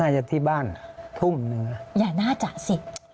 น่าจะที่บ้านทุ่มหนึ่งอย่าน่าจะสิ